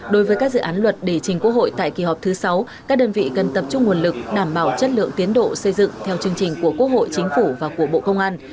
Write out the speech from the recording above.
đối với các dự án luật để trình quốc hội tại kỳ họp thứ sáu các đơn vị cần tập trung nguồn lực đảm bảo chất lượng tiến độ xây dựng theo chương trình của quốc hội chính phủ và của bộ công an